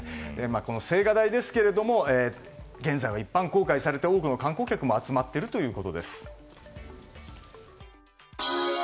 この青瓦台、現在は一般公開されて多くの観光客も集まっているということです。